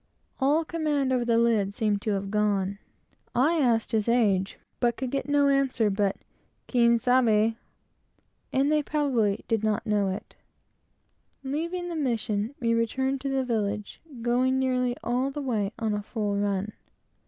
All command over the lid seemed to have gone. I asked his age, but could get no answer but "Quien sabe?" and they probably did not know the age. Leaving the mission, we returned to village, going nearly all the way on a full run.